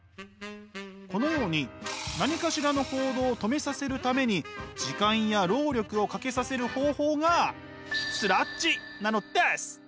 このように何かしらの行動を止めさせるために時間や労力をかけさせる方法がスラッジなのです。